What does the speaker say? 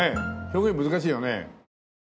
表現難しいよね。